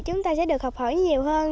chúng ta sẽ được học hỏi nhiều hơn